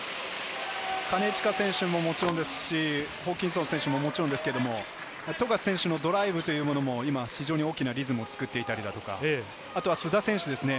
金近選手ももちろんですし、ホーキンソン選手ももちろんですけど富樫選手のドライブも、今、非常に大きなリズムを作っていたり、あとは須田選手ですね。